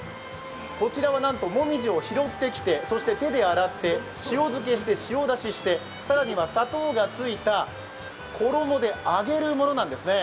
こちらはなんと、もみじを拾ってきて、手で洗って塩漬けして、塩出しして、更には砂糖がついた衣で揚げるものなんですね。